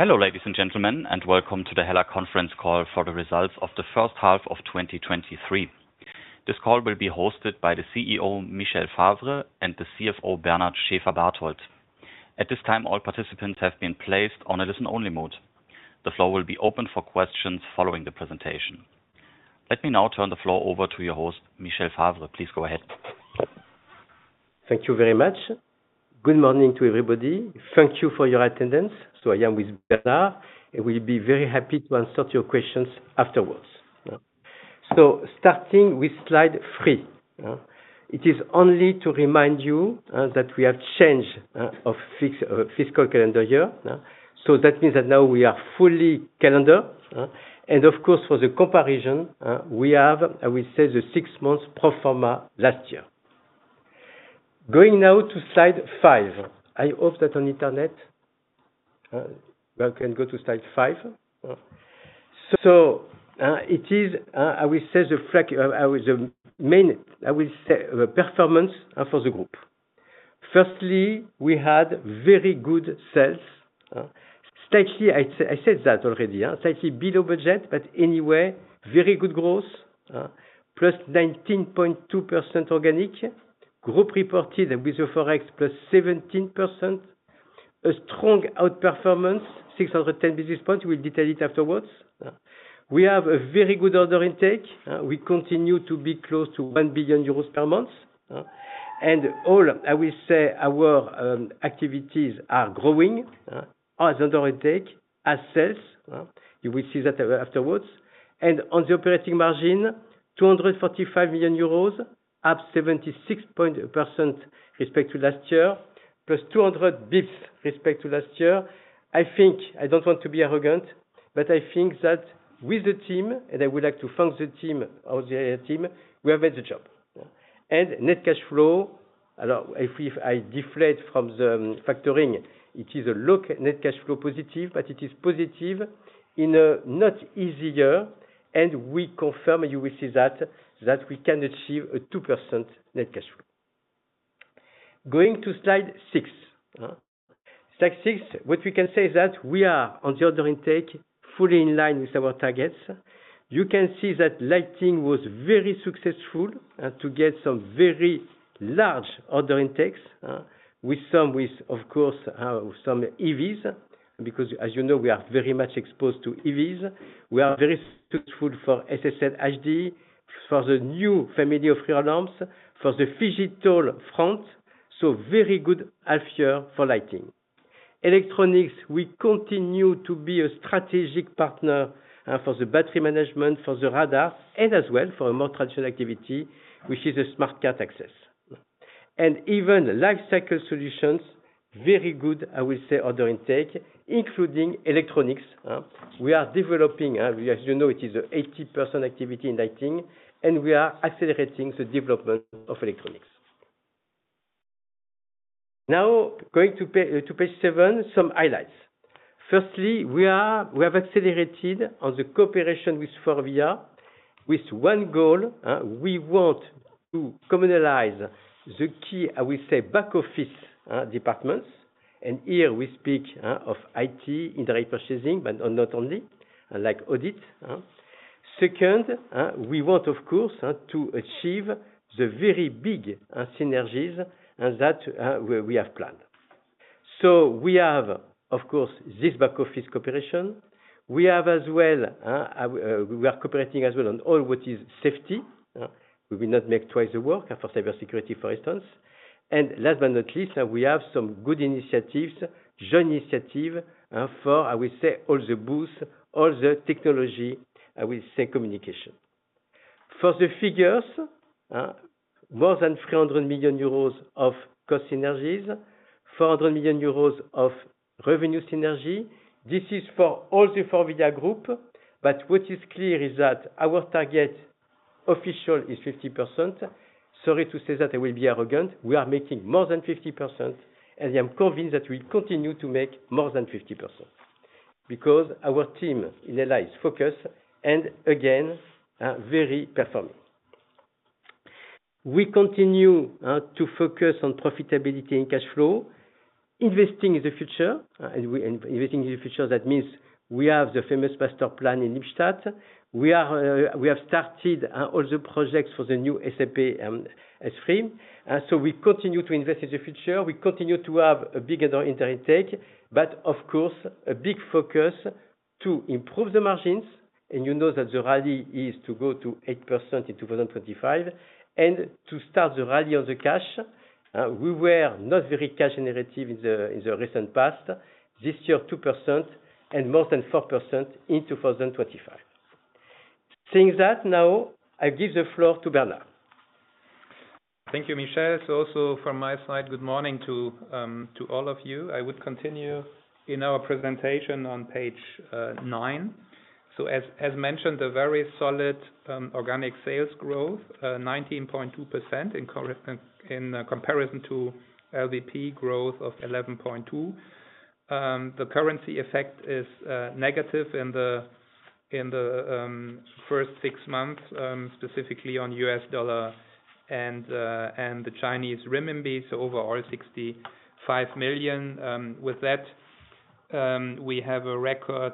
Hello, ladies and gentlemen, and welcome to the HELLA conference call for the results of the first half of 2023. This call will be hosted by the CEO, Michel Favre, and the CFO, Bernard Schäferbarthold. At this time, all participants have been placed on a listen-only mode. The floor will be open for questions following the presentation. Let me now turn the floor over to your host, Michel Favre. Please go ahead. Thank you very much. Good morning to everybody. Thank you for your attendance. I am with Bernard, and we'll be very happy to answer your questions afterwards. Starting with slide 3, it is only to remind you that we have changed of fiscal calendar year. That means that now we are fully calendar. Of course, for the comparison, we have, I will say, the six months pro forma last year. Going now to slide five. I hope that on internet, we can go to slide five. It is, I will say, the main, I will say, the performance for the group. Firstly, we had very good sales, slightly I said that already, yeah, slightly below budget, but anyway, very good growth, plus 19.2% organic, group reported with the Forex plus 17%. A strong outperformance, 610 basis points. We'll detail it afterwards. We have a very good order intake. We continue to be close to 1 billion euros per month. All, I will say our activities are growing, as order intake, as sales, you will see that afterwards. On the operating margin, 245 million euros, up 76% respect to last year, plus 200 basis points respect to last year. I think, I don't want to be arrogant, but I think that with the team, and I would like to thank the team, all the team, we have made the job. Net cash flow, if we, I deflate from the factoring, it is a low net cash flow positive, but it is positive in a not easy year, and we confirm, you will see that we can achieve a 2% net cash flow. Going to slide six. Slide six, what we can say is that we are on the order intake, fully in line with our targets. You can see that Lighting was very successful, to get some very large order intakes, with some, of course, some EVs, because as you know, we are very much exposed to EVs. We are very successful for SSL | HD, for the new family of rear lamps, for the digital front. Electronics, we continue to be a strategic partner for the battery management, for the radars, and as well for a more traditional activity, which is a Smart Car Access. Even Lifecycle Solutions, very good, I will say, order intake, including Electronics. We are developing, as you know, it is a 80% activity in Lighting, and we are accelerating the development of Electronics. Now, going to page seven, some highlights. Firstly, we have accelerated on the cooperation with FORVIA, with one goal, we want to communalize the key, I will say, back office departments, and here we speak of IT, indirect purchasing, but not only, like audit. Second, we want, of course, to achieve the very big synergies that we have planned. We have, of course, this back office cooperation. We have as well, we are cooperating as well on all what is safety. We will not make twice the work for cyber security, for instance. Last but not least, we have some good initiatives, joint initiative, for, I will say, all the booth, all the technology, I will say communication. For the figures, more than 300 million euros of cost synergies, 400 million euros of revenue synergy. This is for all the FORVIA Group, but what is clear is that our target official is 50%. Sorry to say that I will be arrogant. We are making more than 50%, and I am convinced that we continue to make more than 50% because our team in HELLA is focused, and again, very performing. We continue to focus on profitability and cash flow, investing in the future, and investing in the future, that means we have the famous master plan in Lippstadt. We have started all the projects for the new SAP S/4. So we continue to invest in the future. We continue to have a big order intake, but of course, a big focus to improve the margins, and you know that the rally is to go to 8% in 2025 and to start the rally of the cash. We were not very cash generative in the recent past. This year, 2% and more than 4% in 2025. Seeing that now, I give the floor to Bernard. Thank you, Michel. Also from my side, good morning to all of you. I would continue in our presentation on page 9. As mentioned, a very solid organic sales growth, 19.2% in comparison to LVP growth of 11.2%. The currency effect is negative in the first six months, specifically on US dollar and the Chinese renminbi, so overall 65 million. With that, we have a record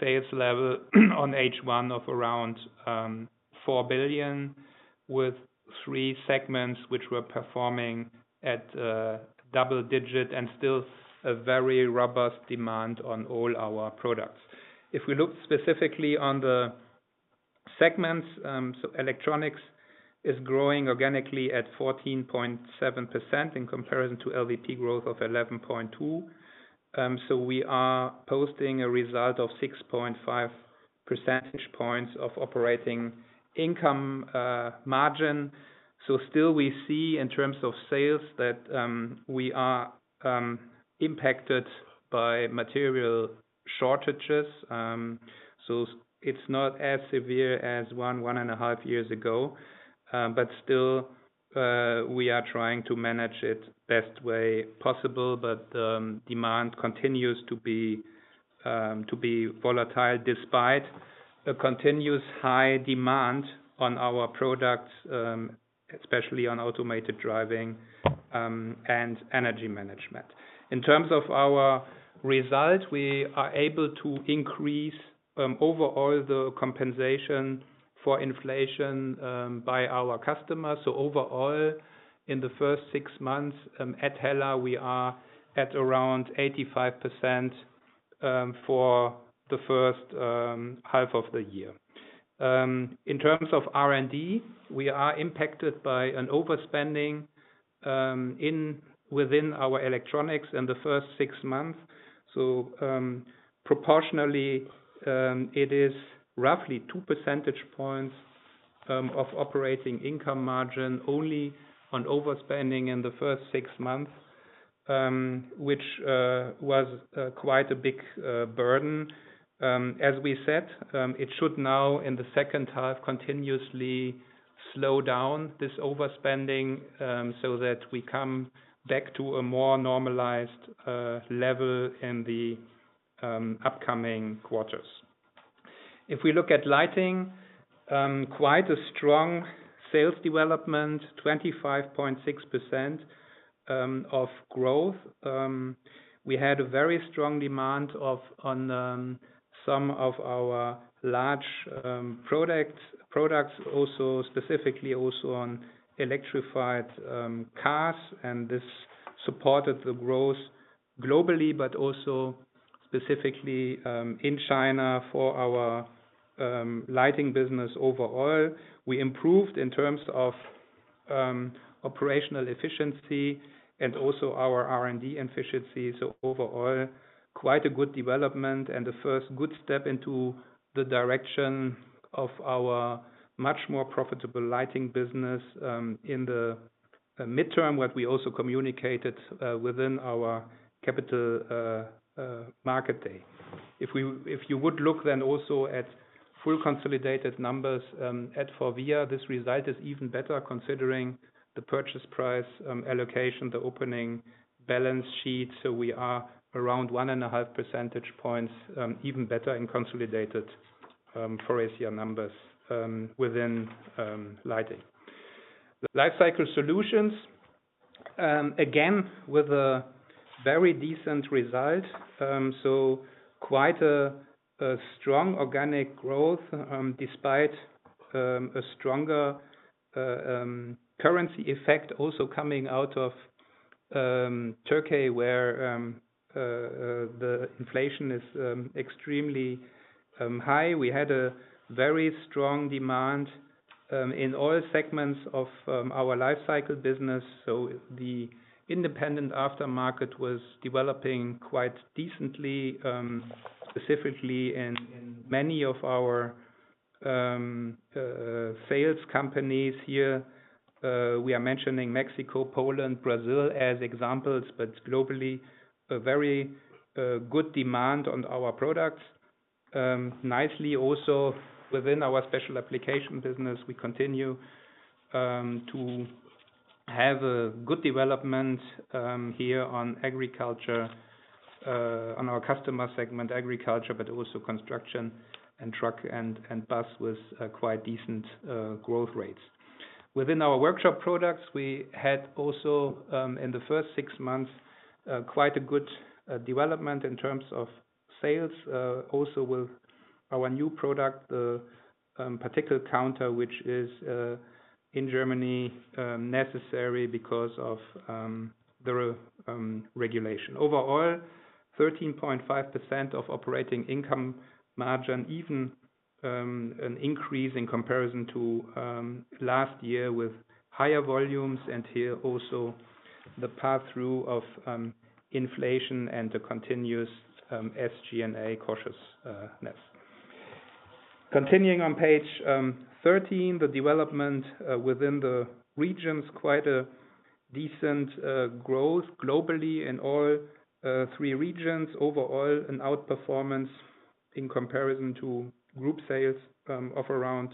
sales level on H1 of around 4 billion, with 3 segments which were performing at double digit and still a very robust demand on all our products. If we look specifically on the segments, Electronics is growing organically at 14.7% in comparison to LVP growth of 11.2%. We are posting a result of 6.5 percentage points of operating income margin. Still we see in terms of sales, that we are impacted by material shortages. It's not as severe as 1.5 years ago, but still, we are trying to manage it best way possible. Demand continues to be volatile, despite a continuous high demand on our products, especially on automated driving and energy management. In terms of our results, we are able to increase overall the compensation for inflation by our customers. Overall, in the first six months, at HELLA, we are at around 85% for the first half of the year. In terms of R&D, we are impacted by an overspending in within our Electronics in the first six months. Proportionally, it is roughly two percentage points of operating income margin, only on overspending in the first six months, which was quite a big burden. As we said, it should now, in the second half, continuously slow down this overspending, so that we come back to a more normalized level in the upcoming quarters. If we look at Lighting, quite a strong sales development, 25.6% of growth. We had a very strong demand on some of our large products, also specifically on electrified cars, and this supported the growth globally, but also specifically in China for our Lighting business overall. We improved in terms of operational efficiency and also our R&D efficiency. Overall, quite a good development and the first good step into the direction of our much more profitable Lighting business in the midterm, what we also communicated within our capital market day. If you would look then also at full consolidated numbers at FORVIA, this result is even better, considering the purchase price allocation, the opening balance sheet. We are around 1.5 percentage points even better in consolidated FORVIA numbers within Lighting. Lifecycle Solutions again with a very decent result. Quite a strong organic growth despite a stronger currency effect also coming out of Turkey, where the inflation is extremely high. We had a very strong demand in all segments of our life cycle business, the independent aftermarket was developing quite decently, specifically in many of our sales companies here. We are mentioning Mexico, Poland, Brazil as examples, globally, a very good demand on our products. Nicely also, within our special application business, we continue to have a good development here on agriculture, on our customer segment, agriculture, also construction and truck and bus with quite decent growth rates. Within our workshop products, we had also in the first six months quite a good development in terms of sales, also with our new product Particle Counter, which is in Germany necessary because of the regulation. Overall, 13.5% of operating income margin, even an increase in comparison to last year with higher volumes, and here also the path through of inflation and the continuous SG&A cautiousness. Continuing on page 13, the development within the regions, quite a decent growth globally in all 3 regions. Overall, an outperformance in comparison to group sales of around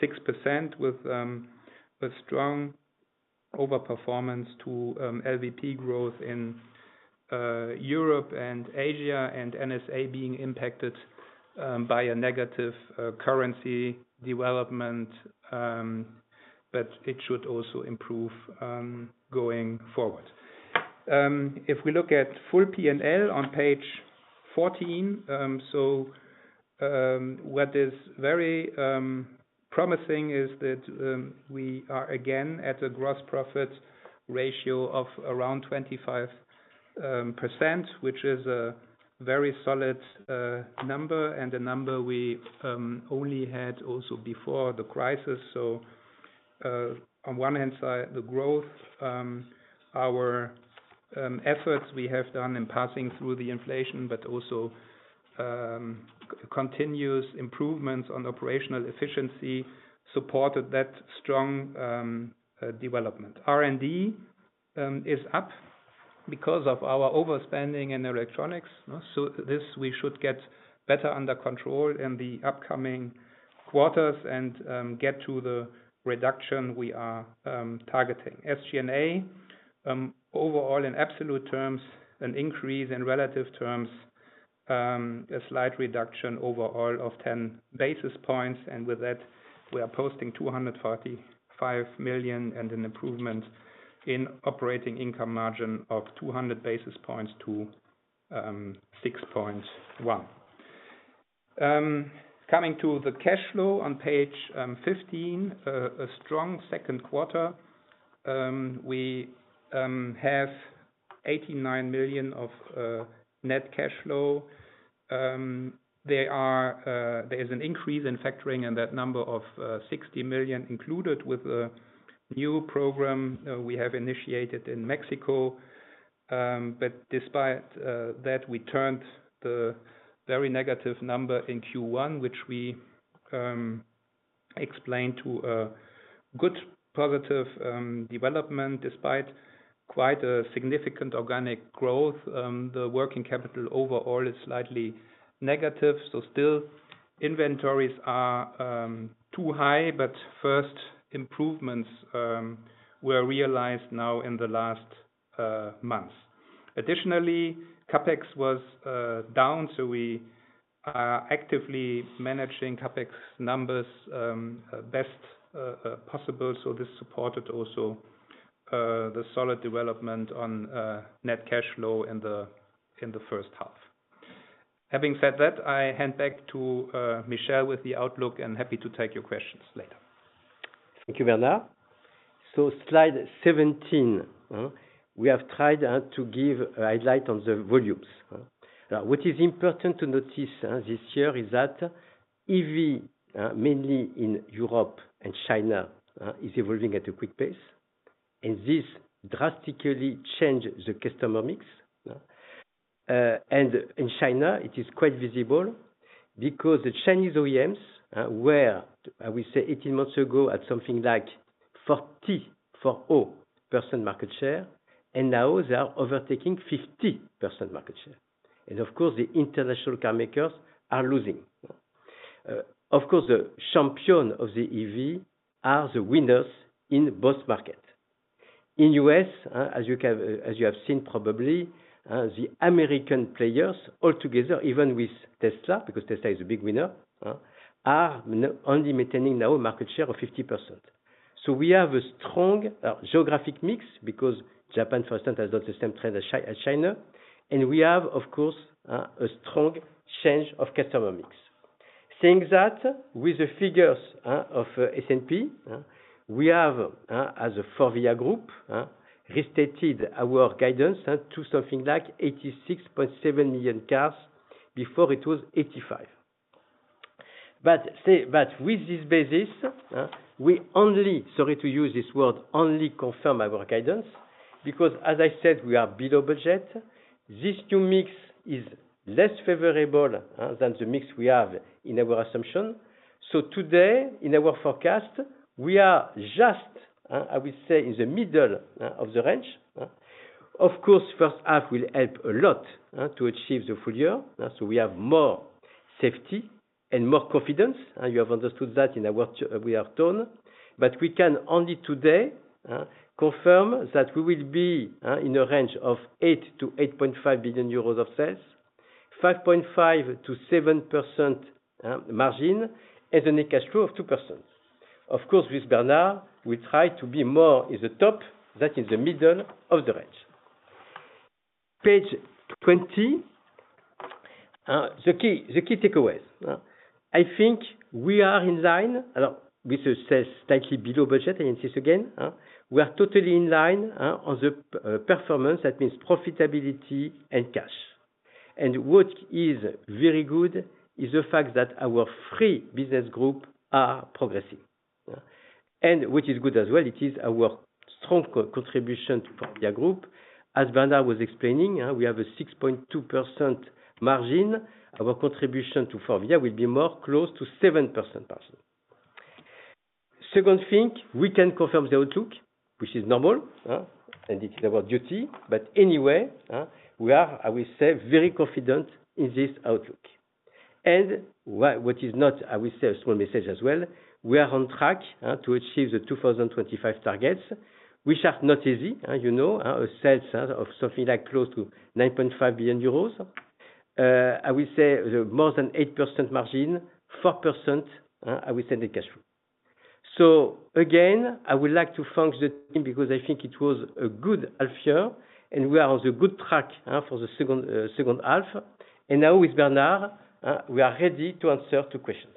6% with an over performance to LVP growth in Europe and Asia, and NSA being impacted by a negative currency development. It should also improve going forward. If we look at full P&L on page 14, what is very promising is that we are again, at a gross profit ratio of around 25%, which is a very solid number, and a number we only had also before the crisis. On one hand side, the growth, our efforts we have done in passing through the inflation, but also continues improvements on operational efficiency, supported that strong development. R&D is up because of our overspending in Electronics. This we should get better under control in the upcoming quarters and get to the reduction we are targeting. SG&A, overall in absolute terms, an increase in relative terms, a slight reduction overall of 10 basis points. With that we are posting 245 million, an improvement in operating income margin of 200 basis points to 6.1%. Coming to the cash flow on page 15. A strong Q2. We have 89 million of net cash flow. There is an increase in factoring. That number of 60 million included with a new program we have initiated in Mexico. Despite that, we turned the very negative number in Q1, which we explained to a good positive development, despite quite a significant organic growth. The working capital overall is slightly negative, still inventories are too high. First improvements were realized now in the last month. Additionally, Capex was down, so we are actively managing Capex numbers best possible. This supported also the solid development on net cash flow in the first half. Having said that, I hand back to Michel, with the outlook and happy to take your questions later. Thank you, Bernard. Slide 17, huh? We have tried to give a highlight on the volumes, huh. Now, what is important to notice this year is that EV, mainly in Europe and China, is evolving at a quick pace, and this drastically change the customer mix. In China it is quite visible because the Chinese OEMs were, I would say 18 months ago, at something like 40% market share, and now they are overtaking 50% market share. Of course, the international car makers are losing. Of course, the champion of the EV are the winners in both market. In U.S., as you have seen, probably, the American players all together, even with Tesla, because Tesla is a big winner, huh? Are only maintaining now market share of 50%. We have a strong geographic mix, because Japan, for instance, has not the same trend as China, and we have, of course, a strong change of customer mix. Saying that, with the figures of S&P, we have, as a FORVIA Group, restated our guidance to something like 86.7 million cars. Before it was 85. With this basis, we only, sorry to use this word, only confirm our guidance, because as I said, we are below budget. This new mix is less favorable than the mix we have in our assumption. Today, in our forecast, we are just, I would say, in the middle of the range. Of course, first half will help a lot to achieve the full year. We have more safety and more confidence, and you have understood that in our work, we have done. We can only today confirm that we will be in a range of 8 billion-8.5 billion euros of sales, 5.5%-7% margin, and a net cash flow of 2%. Of course, with Bernard, we try to be more in the top than in the middle of the range. Page 20. The key takeaways, huh? I think we are in line with the sales slightly below budget, I insist again, huh? We are totally in line on the performance, that means profitability and cash. What is very good, is the fact that our 3 business group are progressing, huh? What is good as well, it is our strong co-contribution to FORVIA Group. As Bernard was explaining, we have a 6.2% margin. Our contribution to FORVIA will be more close to 7% margin. Second thing, we can confirm the outlook, which is normal, huh? It is our duty. Anyway, we are, I will say, very confident in this outlook. What is not, I will say a small message as well, we are on track to achieve the 2025 targets, which are not easy. You know, sales of something like close to 9.5 billion euros. I will say the more than 8% margin, 4%, I will send the cash flow. Again, I would like to thank the team because I think it was a good half year, and we are on the good track for the second half. Now with Bernard, we are ready to answer two questions.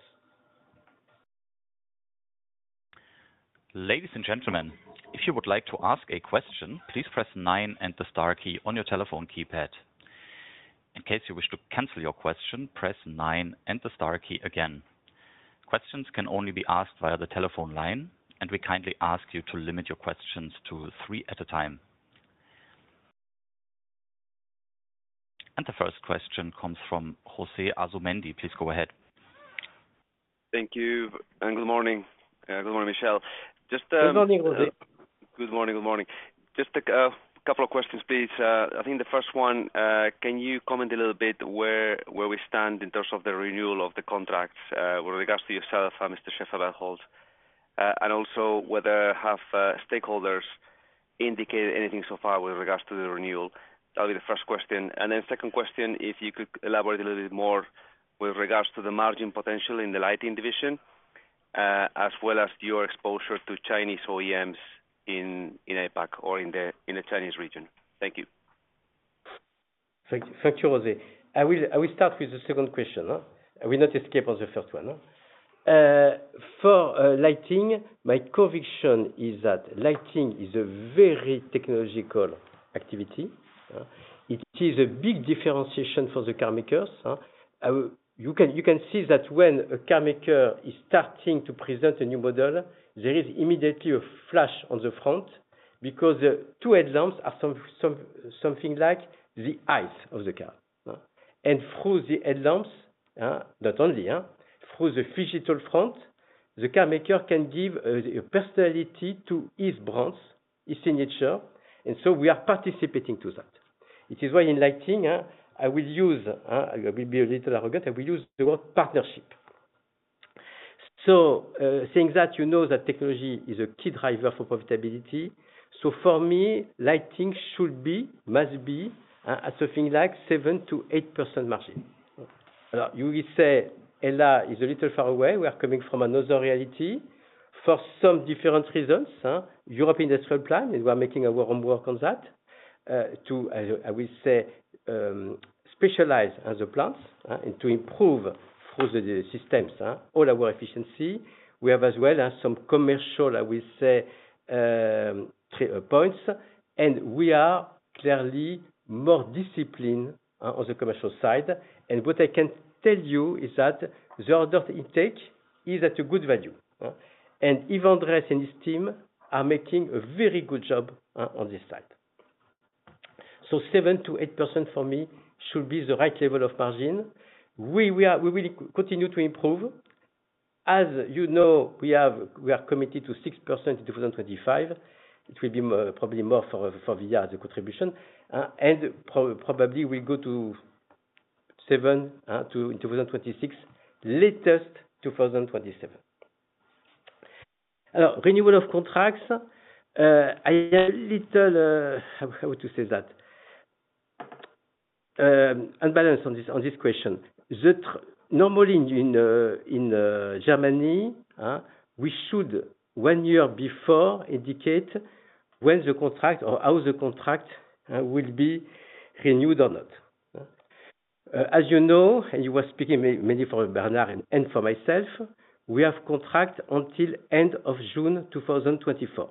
Ladies and gentlemen, if you would like to ask a question, please press nine and the star key on your telephone keypad. In case you wish to cancel your question, press nine and the star key again. Questions can only be asked via the telephone line, and we kindly ask you to limit your questions to three at a time. The first question comes from Jose Asumendi. Please go ahead. Thank you. Good morning. Good morning, Michel. Good morning, Jose. Good morning. Good morning. Just a couple of questions, please. I think the first one, can you comment a little bit where we stand in terms of the renewal of the contracts with regards to yourself and Mr. Schäferbarthold? Also whether have stakeholders indicated anything so far with regards to the renewal? That'll be the first question. Second question, if you could elaborate a little bit more with regards to the margin potential in the Lighting division, as well as your exposure to Chinese OEMs in APAC or in the, in the Chinese region. Thank you. Thank you, Jose. I will start with the second question, I will not escape on the first one. For Lighting, my conviction is that Lighting is a very technological activity. It is a big differentiation for the car makers. You can see that when a car maker is starting to present a new model, there is immediately a flash on the front because the two headlamps are something like the eyes of the car. Through the headlamps, not only through the Digital FlatLight, the car maker can give a personality to his brands, his signature, and so we are participating to that. It is why in Lighting, I will use, I will be a little arrogant, I will use the word partnership. Saying that, you know that technology is a key driver for profitability. For me, Lighting should be, must be, at something like 7%-8% margin. You will say, HELLA is a little far away. We are coming from another reality for some different reasons, huh? Europe Industrial Plan. We're making our own work on that to I will say, specialize as a plant and to improve through the systems all our efficiency. We have as well as some commercial, I will say, three points, and we are clearly more disciplined on the commercial side. What I can tell you is that the order intake is at a good value, and Andreas and his team are making a very good job on this side. 7%-8% for me should be the right level of margin. We will continue to improve. As you know, we are committed to 6% in 2025. It will be more, probably more for the year, the contribution, and probably will go to 7% in 2026, latest 2027. Renewal of contracts, I am little, how to say that? Unbalanced on this question. Normally in Germany, we should one year before indicate when the contract or how the contract will be renewed or not. As you know, and you were speaking mainly for Bernard and for myself, we have contract until end of June 2024.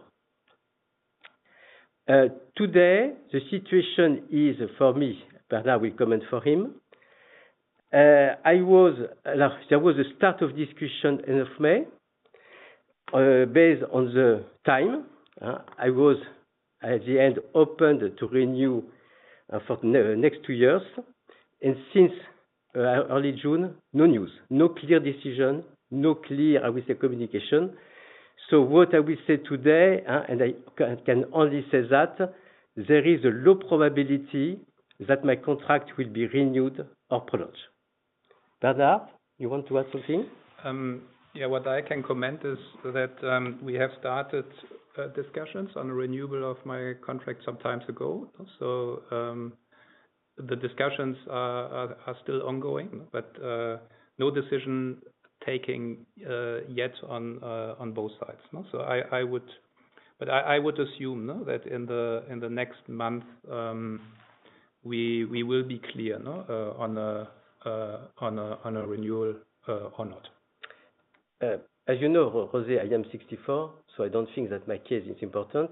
Today, the situation is, for me, Bernard will comment for him. I was, there was a start of discussion end of May. Based on the time, I was at the end, opened to renew for next two years. Since early June, no news, no clear decision, no clear, I will say, communication. What I will say today, and I can only say that there is a low probability that my contract will be renewed or prolonged. Bernard, you want to add something? Yeah, what I can comment is that we have started discussions on the renewal of my contract some time ago. The discussions are still ongoing, but no decision-taking yet on both sides. I would, but I would assume, no, that in the next month, we will be clear, no, on a renewal or not. As you know, Jose, I am 64, I don't think that my case is important.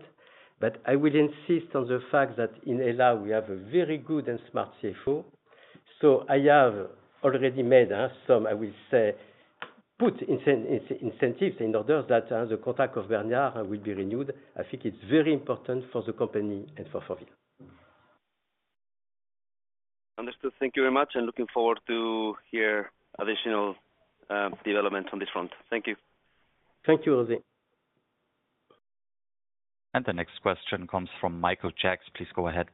I will insist on the fact that in HELLA we have a very good and smart CFO. I have already made some, I will say, put incentives in order that the contract of Bernard will be renewed. I think it's very important for the company and for me. Understood. Thank you very much, and looking forward to hear additional development on this front. Thank you. Thank you, Jose. The next question comes from Michael Jacks. Please go ahead.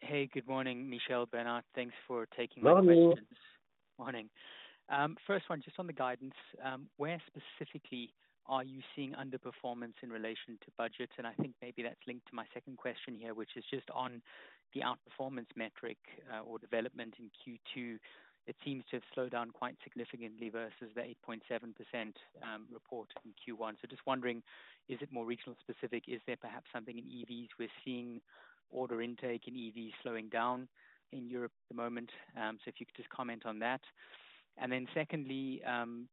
Hey, good morning, Michel, Bernard. Thanks for taking my questions. Morning. Morning. First one, just on the guidance. Where specifically are you seeing underperformance in relation to budgets? I think maybe that's linked to my second question here, which is just on the outperformance metric, or development in Q2. It seems to have slowed down quite significantly versus the 8.7% report in Q1. Just wondering, is it more regional specific? Is there perhaps something in EVs? We're seeing order intake in EVs slowing down in Europe at the moment. If you could just comment on that. Secondly,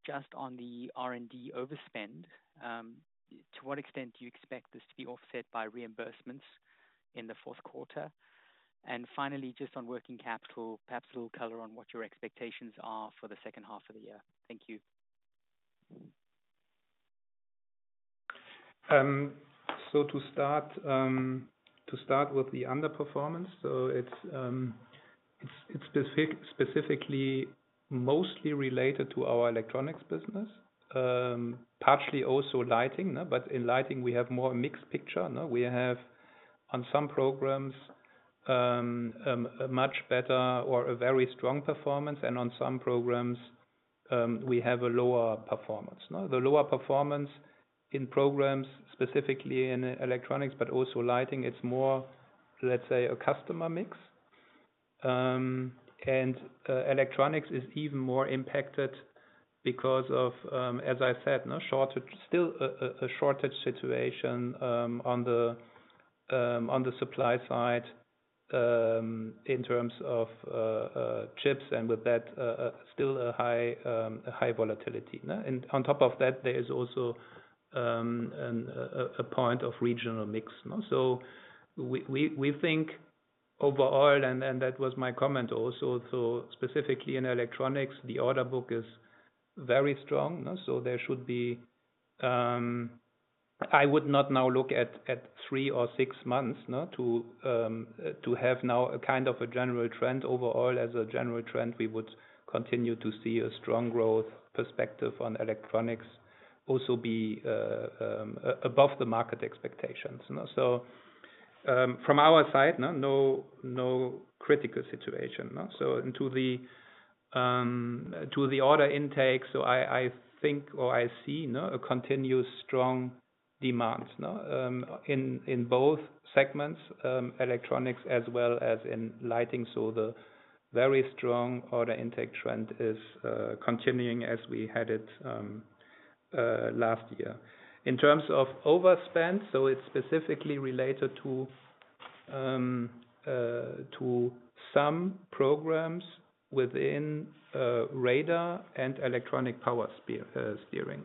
just on the R&D overspend, to what extent do you expect this to be offset by reimbursements in the Q4? Finally, just on working capital, perhaps a little color on what your expectations are for the second half of the year. Thank you. To start, to start with the underperformance. It's specifically mostly related to our Electronics business, partially also Lighting, no. In Lighting, we have more mixed picture, no. We have on some programs, a much better or a very strong performance, and on some programs, we have a lower performance. Now, the lower performance in programs, specifically in Electronics, but also Lighting, it's more, let's say, a customer mix. Electronics is even more impacted because of, as I said, still a shortage situation, on the supply side, in terms of chips, and with that, still a high volatility, no. On top of that, there is also, a point of regional mix, no. We think overall, and that was my comment also, specifically in Electronics, the order book is very strong, no? There should be, I would not now look at three or six months, no, to have now a kind of a general trend. Overall, as a general trend, we would continue to see a strong growth perspective on Electronics also be above the market expectations, you know? From our side, no, no critical situation, no? Into the, to the order intake, I think, or I see, no, a continuous strong demand, in both segments, Electronics as well as in Lighting. The very strong order intake trend is continuing as we had it last year. In terms of overspend, it's specifically related to some programs within radar and electric power steering,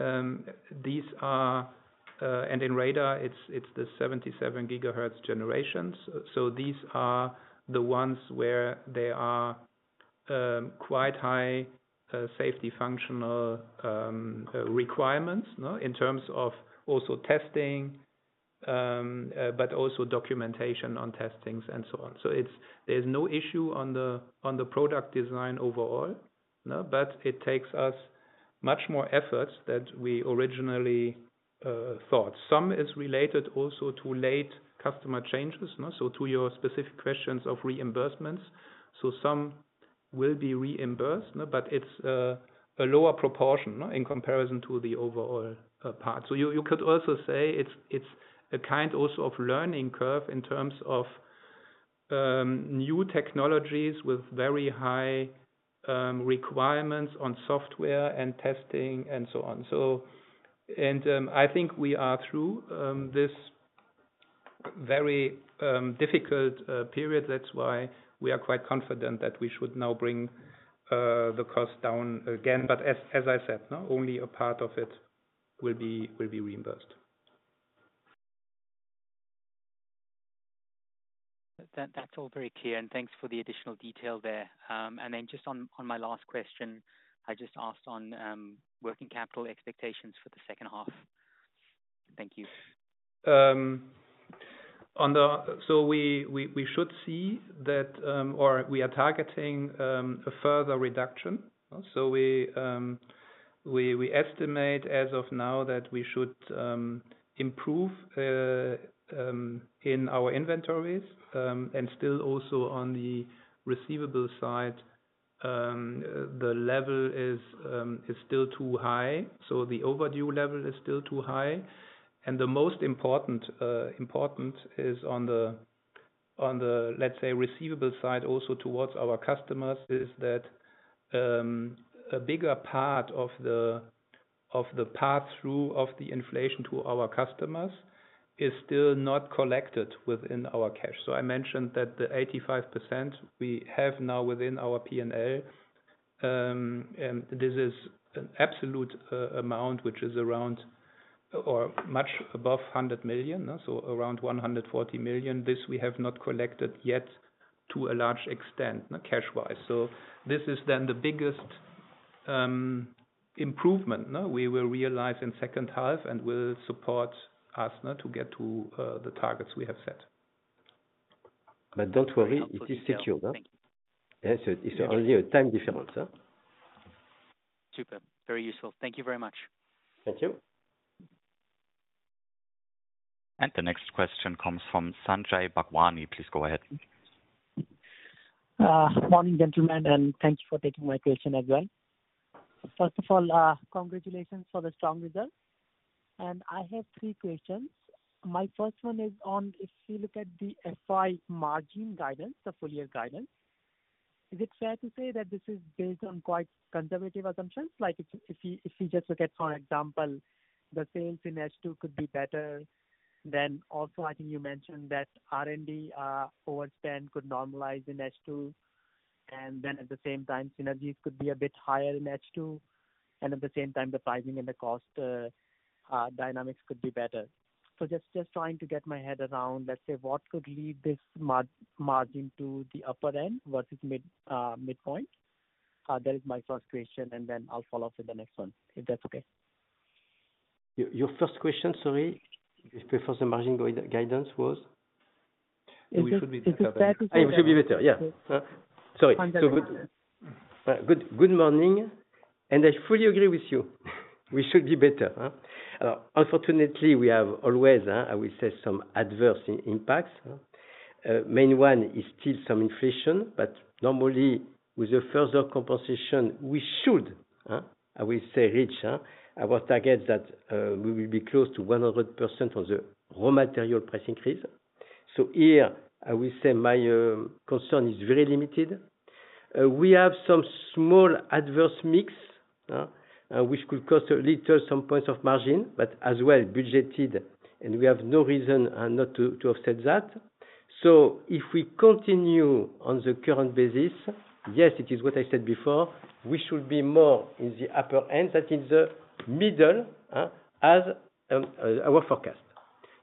no? In radar, it's the 77 GHz generations. These are the ones where there are quite high safety functional requirements, no? In terms of also testing, documentation on testings and so on. There's no issue on the product design overall, no, it takes us much more efforts than we originally thought. Some is related also to late customer changes, no? To your specific questions of reimbursements. Some will be reimbursed, it's a lower proportion, no, in comparison to the overall part. You could also say it's a kind also of learning curve in terms of new technologies with very high requirements on software and testing and so on. I think we are through this very difficult period. That's why we are quite confident that we should now bring the cost down again. As I said, no, only a part of it will be reimbursed. That's all very clear, and thanks for the additional detail there. Then just on my last question, I just asked on working capital expectations for the second half. Thank you. We should see that, or we are targeting a further reduction. We estimate as of now that we should improve in our inventories. Still also on the receivable side, the level is still too high, so the overdue level is still too high. The most important is on the, let's say, receivable side, also towards our customers, is that a bigger part of the pass-through of the inflation to our customers is still not collected within our cash. I mentioned that the 85% we have now within our P&L, and this is an absolute amount which is around or much above 100 million, no? Around 140 million. This we have not collected yet to a large extent, no, cash-wise. This is then the biggest improvement, no, we will realize in second half and will support us, no, to get to the targets we have set. Don't worry, it is secured, huh? Yes, it's only a time difference, huh? Superb. Very useful. Thank you very much. Thank you. The next question comes from Sanjay Bhagwani. Please go ahead. Good morning, gentlemen, and thank you for taking my question as well. First of all, congratulations for the strong results. I have three questions. My first one is on, if you look at the FY margin guidance, the full year guidance, is it fair to say that this is based on quite conservative assumptions? Like if you just look at, for example, the sales in H2 could be better, then also, I think you mentioned that R&D overspend could normalize in H2, and at the same time, synergies could be a bit higher in H2, and at the same time, the pricing and the cost dynamics could be better. So just trying to get my head around, let's say, what could lead this margin to the upper end versus midpoint? That is my first question, and then I'll follow up with the next one, if that's okay. Your first question, sorry, before the margin guidance was? Is it fair to say... It should be better. Yeah. Sorry. On the margin. Good morning. I fully agree with you. We should be better. Unfortunately, we have always, I will say some adverse impacts. Main one is still some inflation, normally with the further compensation, we should, I will say reach our target that we will be close to 100% on the raw material price increase. Here, I will say my concern is very limited. We have some small adverse mix which could cost a little some points of margin, as well budgeted, we have no reason not to offset that. If we continue on the current basis, yes, it is what I said before, we should be more in the upper end than in the middle as our forecast.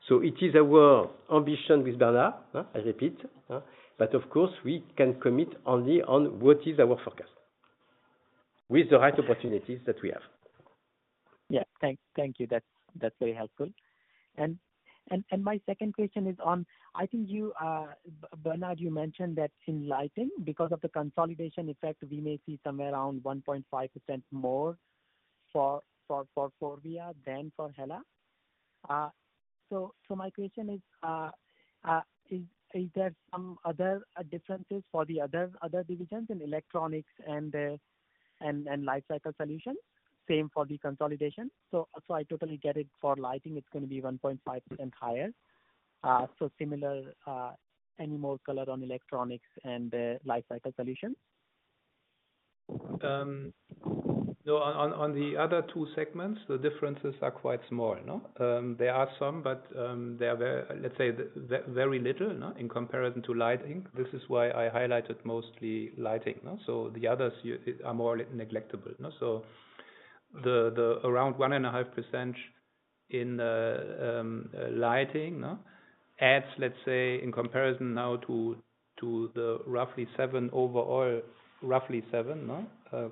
It is our ambition with Bernard. I repeat, but of course, we can commit only on what is our forecast, with the right opportunities that we have. Thank you. That's very helpful. My second question is on, I think you, Bernard, you mentioned that in Lighting, because of the consolidation effect, we may see somewhere around 1.5% more for FORVIA than for HELLA. My question is there some other differences for the other divisions in Electronics and Lifecycle Solutions? Same for the consolidation. I totally get it for Lighting, it's gonna be 1.5% higher. Similar, any more color on Electronics and Lifecycle Solutions? On the other two segments, the differences are quite small, you know. There are some, but they are very little in comparison to Lighting. This is why I highlighted mostly Lighting. The others are more neglectable, you know. The around 1.5% in Lighting adds, let's say, in comparison now to the roughly 7% overall,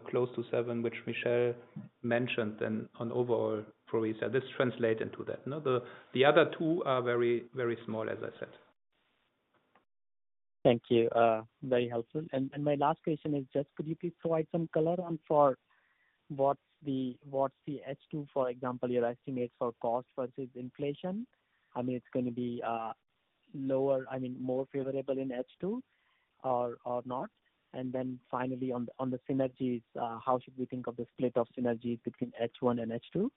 close to 7%, which Michel Favre mentioned, and on overall, FORVIA. This translate into that, you know. The other two are very small, as I said. Thank you, very helpful. My last question is just, could you please provide some color on for what's the H2, for example, your estimates for cost versus inflation? I mean, it's gonna be lower, I mean, more favorable in H2 or not? Finally on the synergies, how should we think of the split of synergies between H1 and H2?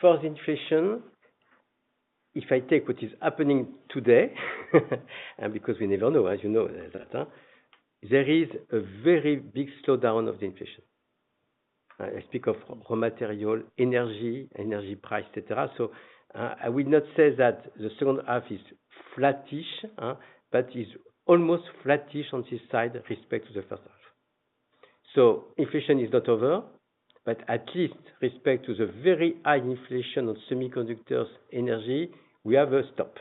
For the inflation, if I take what is happening today, because we never know, as you know that, there is a very big slowdown of the inflation. I speak of raw material, energy price, etc. I would not say that the second half is flattish, but is almost flattish on this side, respect to the first half. Inflation is not over, but at least respect to the very high inflation on semiconductors energy, we have a stop,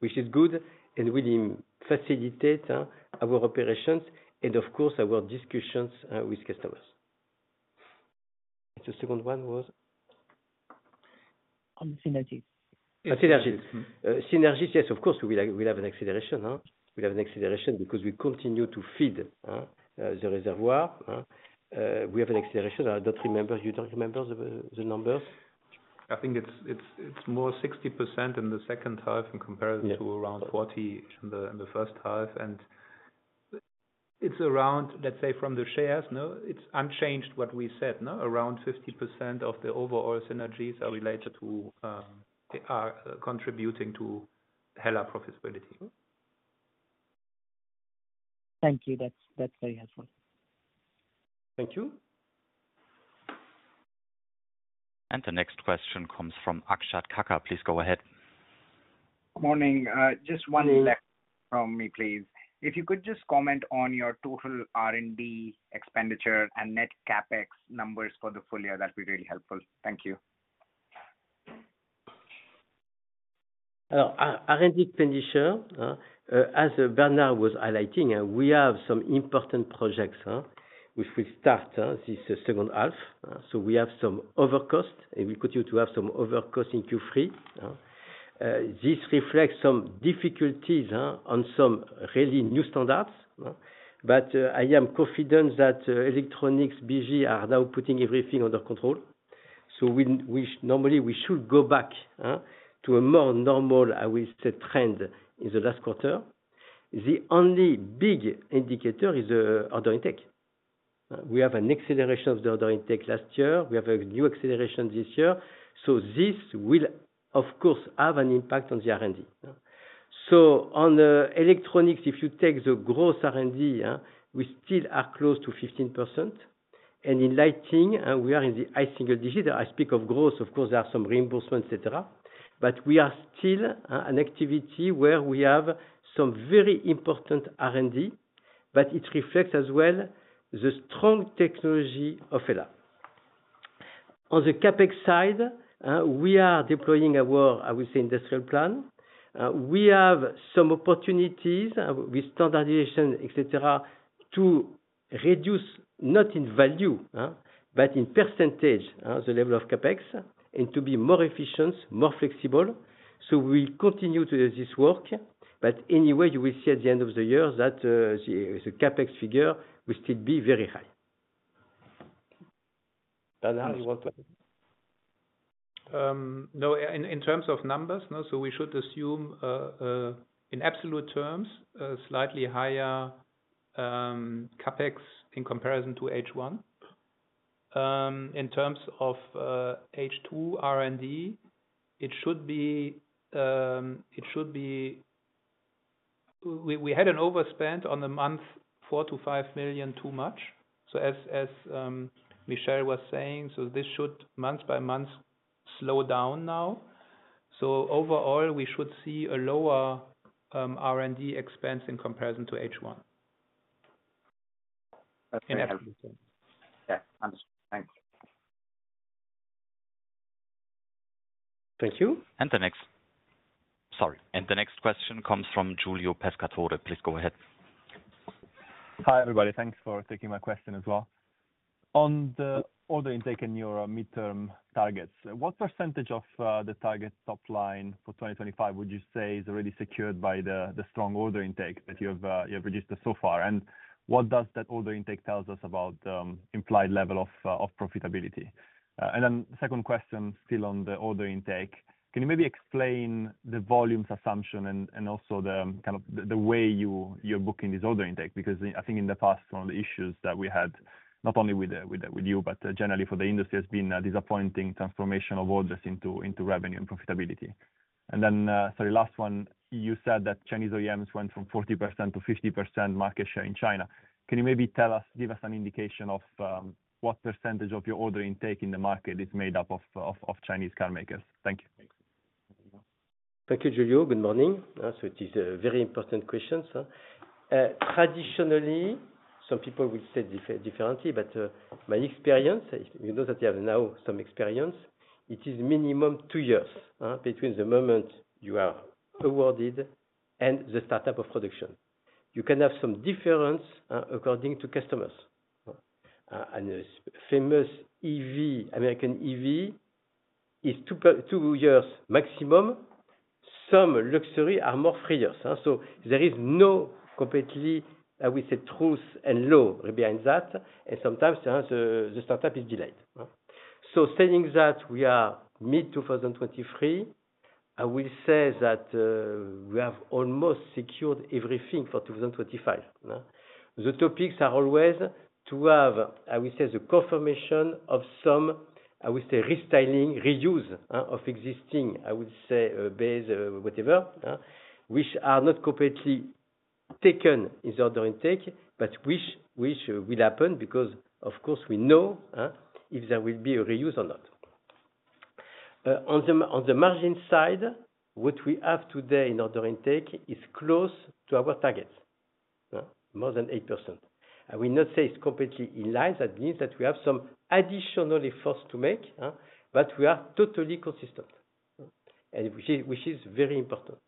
which is good and will facilitate our operations and of course, our discussions with customers. The second one was? On synergies. On synergies. Synergies, yes, of course, we have an acceleration, huh? We have an acceleration because we continue to feed the reservoir. We have an acceleration. I don't remember, you don't remember the numbers? I think it's more 60% in the second half. Yeah. to around 40 in the first half. It's around, let's say, from the shares, it's unchanged what we said? Around 50% of the overall synergies are related to, are contributing to HELLA profitability. Thank you. That's very helpful. Thank you. The next question comes from Akshat Kacker. Please go ahead. Morning. Just one left from me, please. If you could just comment on your total R&D expenditure and net Capex numbers for the full year, that'd be really helpful. Thank you. R&D expenditure, as Bernard was highLighting, we have some important projects, which we start this second half. We have some overcost, and we continue to have some overcost in Q3. This reflects some difficulties, on some really new standards, but I am confident that Electronics business are now putting everything under control. We normally should go back to a more normal, I will say, trend in the last quarter. The only big indicator is the order intake. We have an acceleration of the order intake last year. We have a new acceleration this year, this will, of course, have an impact on the R&D. On the Electronics, if you take the growth R&D, we still are close to 15%. In Lighting, we are in the high single-digit. I speak of growth, of course, there are some reimbursements, et cetera, but we are still an activity where we have some very important R&D, but it reflects as well, the strong technology of HELLA. On the Capex side, we are deploying our, I would say, industrial plan. We have some opportunities with standardization, et cetera, to reduce not in value, but in percentage, the level of Capex, and to be more efficient, more flexible. We'll continue to do this work, but anyway, you will see at the end of the year that the Capex figure will still be very high. How you work? No, in terms of numbers, no. We should assume, in absolute terms, a slightly higher Capex in comparison to H1. In terms of H2 R&D, We had an overspend on the month, 4 million- 5 million, too much. As Michel was saying, this should month by month slow down now. Overall, we should see a lower R&D expense in comparison to H1. Okay. Yeah, understood. Thanks. Thank you. Sorry, the next question comes from Giulio Pescatore. Please go ahead. Hi, everybody. Thanks for taking my question as well. On the order intake and your midterm targets, what % of the target top line for 2025 would you say is already secured by the strong order intake that you have registered so far? What does that order intake tells us about implied level of profitability? Second question, still on the order intake, can you maybe explain the volumes assumption and also the kind of the way you're booking this order intake? I think in the past, one of the issues that we had, not only with you, but generally for the industry, has been a disappointing transformation of orders into revenue and profitability. Sorry, last one. You said that Chinese OEMs went from 40% to 50% market share in China. Can you maybe tell us, give us an indication of what percentage of your order intake in the market is made up of Chinese car makers? Thank you. Thank you, Giulio. Good morning. It is a very important question, so. Traditionally, some people will say differently, but my experience, you know, that I have now some experience, it is minimum 2 years between the moment you are awarded and the startup of production. You can have some difference according to customers, and the famous EV, American EV, is 2 years maximum. Some luxury are more 3 years, so there is no completely, I would say, truth and law behind that, and sometimes, the startup is delayed. Saying that, we are mid-2023, I will say that we have almost secured everything for 2025. The topics are always to have, I would say, the confirmation of some, I would say, restyling, reuse, of existing, I would say, base, whatever, which are not completely taken in the order intake, but which will happen, because, of course, we know if there will be a reuse or not. On the margin side, what we have today in order intake is close to our targets, more than 8%. I will not say it's completely in line. That means that we have some additional efforts to make, but we are totally consistent, and which is very important.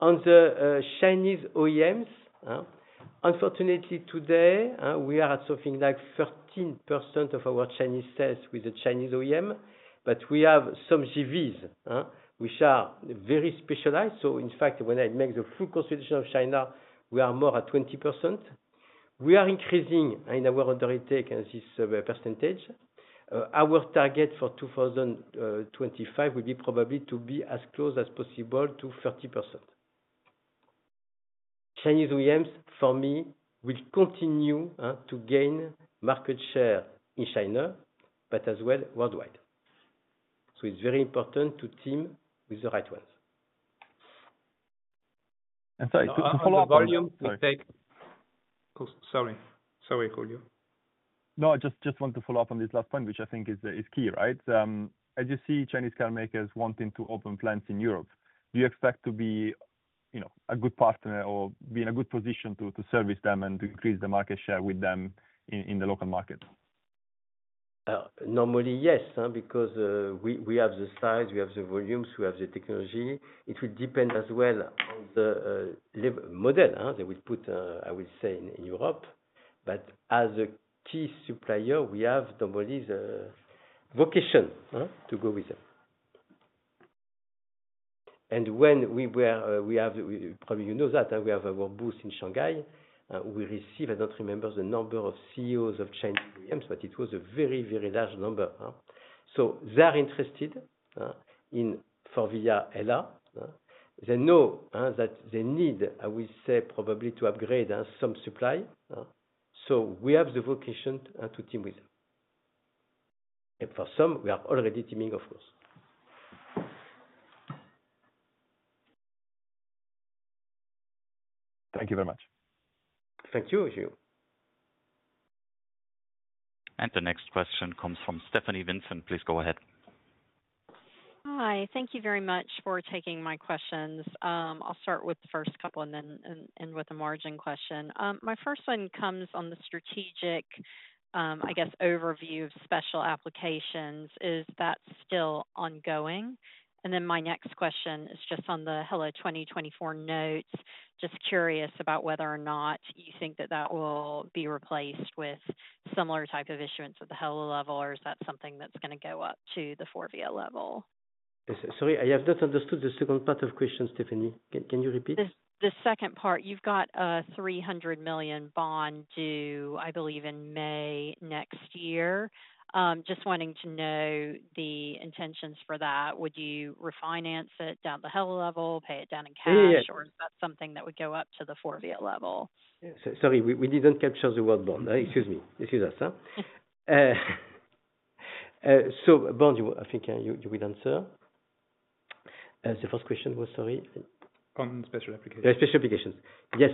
On the Chinese OEMs, unfortunately, today, we are at something like 13% of our Chinese sales with the Chinese OEM, but we have some GVs, which are very specialized. In fact, when I make the full constitution of China, we are more at 20%. We are increasing in our order intake and this percentage. Our target for 2025, will be probably to be as close as possible to 30%. Chinese OEMs, for me, will continue to gain market share in China, but as well, worldwide. It's very important to team with the right ones. to follow up Volume take- Sorry. Sorry, Giulio. No, I just want to follow up on this last point, which I think is key, right? As you see Chinese car makers wanting to open plants in Europe, do you expect to be, you know, a good partner or be in a good position to service them and increase the market share with them in the local market? Normally, yes, because we have the size, we have the volumes, we have the technology. It will depend as well on the live- model they will put, I will say, in Europe. As a key supplier, we have normally the vocation to go with them. When we were, we have, we probably, you know that, we have our booth in Shanghai. We receive, I don't remember the number of CEOs of Chinese, but it was a very, very large number, huh. They're interested in FORVIA HELLA. They know that they need, I will say, probably to upgrade some supply. We have the vocation to team with them. For some, we are already teaming, of course. Thank you very much. Thank you, Giulio. The next question comes from Stephanie Vincent, please go ahead. Hi. Thank you very much for taking my questions. I'll start with the first couple and then with a margin question. My first one comes on the strategic, I guess, overview of Special Applications. Is that still ongoing? My next question is just on the HELLA 2024 notes. Just curious about whether or not you think that that will be replaced with similar type of issuance at the HELLA level, or is that something that's gonna go up to the FORVIA level? Sorry, I have not understood the second part of question, Stephanie. Can you repeat? The second part, you've got a 300 million bond due, I believe, in May next year. Just wanting to know the intentions for that. Would you refinance it down the HELLA level, pay it down in cash. Yeah, yeah. Is that something that would go up to the FORVIA level? Sorry, we didn't capture the word bond. Excuse me. Excuse us. Bond, you, I think, you will answer. The first question was, sorry? On Special Applications. Yeah, Special Applications. Yes,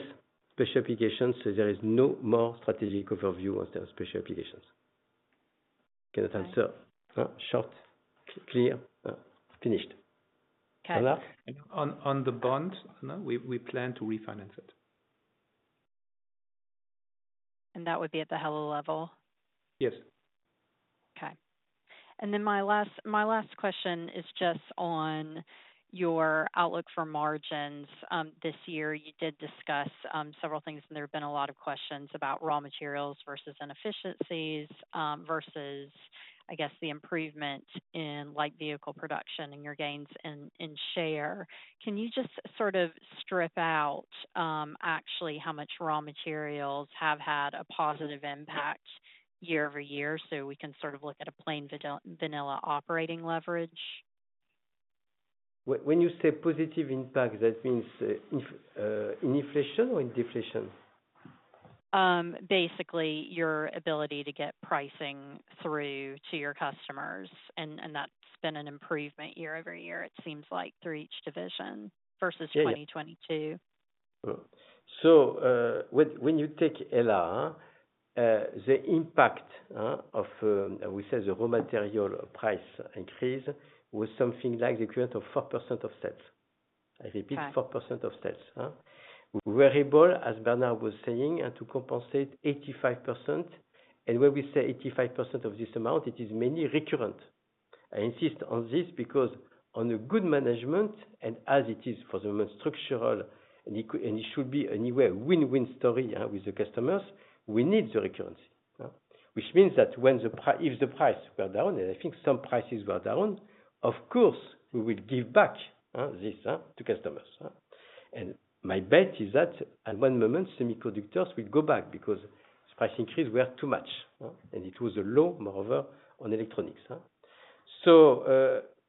Special Applications, there is no more strategic overview on the Special Applications. Can I answer? short, clear, finished. Okay. Bernard? On the bond, no, we plan to refinance it. That would be at the HELLA level? Yes. Okay. My last question is just on your outlook for margins. This year you did discuss, several things, and there have been a lot of questions about raw materials versus inefficiencies, versus I guess, the improvement in Light Vehicle Production and your gains in share. Can you just sort of strip out, actually, how much raw materials have had a positive impact year-over-year, so we can sort of look at a plain vanilla operating leverage? When you say positive impact, that means in inflation or in deflation? Basically your ability to get pricing through to your customers, and that's been an improvement year-over-year, it seems like, through each division versus 2022. When you take HELLA, the impact of, we say, the raw material price increase was something like the equivalent of 4% of sales. Right. I repeat, 4% of sales. We were able, as Bernard was saying, and to compensate 85%, and when we say 85% of this amount, it is mainly recurrent. I insist on this because on a good management, and as it is for the most structural, and it should be anywhere win-win story with the customers, we need the recurrence. Which means that when if the price go down, and I think some prices go down, of course, we will give back this to customers. My bet is that at one moment, semiconductors will go back because price increase were too much, and it was a low, moreover, on Electronics.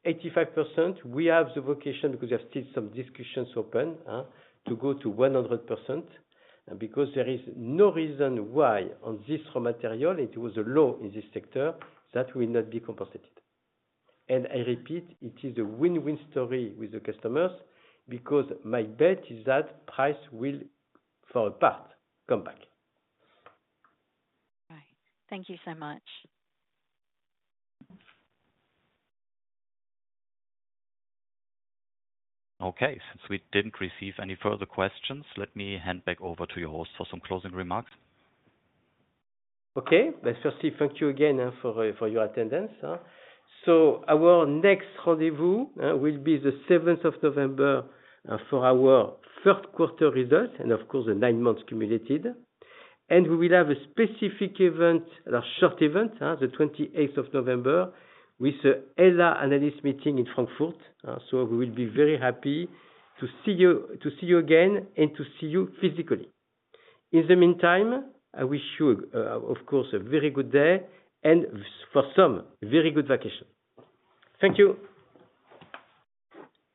85%, we have the vocation because there are still some discussions open to go to 100%, because there is no reason why on this raw material, it was a law in this sector that will not be compensated. I repeat, it is a win-win story with the customers because my bet is that price will, for a part, come back. Right. Thank you so much. Okay, since we didn't receive any further questions, let me hand back over to your host for some closing remarks. Let's firstly thank you again for your attendance. Our next rendezvous will be the seventh of November for our Q3 results, and of course, the nine months cumulative. We will have a specific event, a short event, the twenty-eighth of November with HELLA analyst meeting in Frankfurt. We will be very happy to see you, to see you again and to see you physically. In the meantime, I wish you of course a very good day and for some, a very good vacation. Thank you.